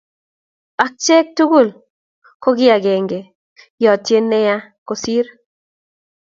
Achek tugul kokiage yotien nea kosir